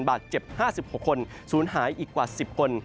บาดเจ็บ๕๖คนศูนย์หายอีกกว่า๑๐คน